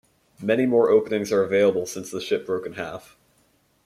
Many more openings are available since the ship broke in half.